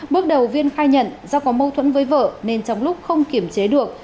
bước đầu viên khai nhận do có mâu thuẫn với vợ nên trong lúc không kiểm chế được